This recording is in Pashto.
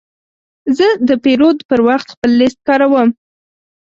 زه د پیرود پر وخت خپل لیست کاروم.